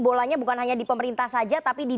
bolanya bukan hanya di pemerintah saja tapi di